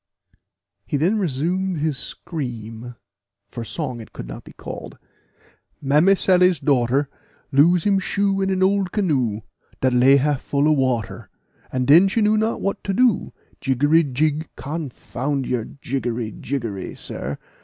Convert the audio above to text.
He then resumed his scream, for song it could not be called: "Mammy Sally's daughter Lose him shoe in an old canoe Dat lay half full of water, And den she knew not what to do. Jiggery, jig " "Confound your jiggery, jiggery, sir!